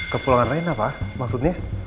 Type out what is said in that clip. ke pulangan rena pak maksudnya